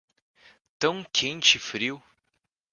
Tão quente e frio